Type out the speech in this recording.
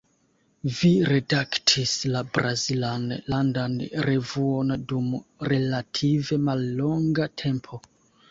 Vi redaktis la brazilan landan revuon dum relative mallonga tempo.